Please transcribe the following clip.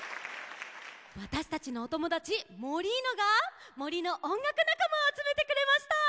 わたしたちのおともだちモリーノがもりのおんがくなかまをあつめてくれました！